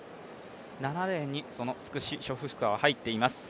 ７レーンにスクシショフスカが入っています。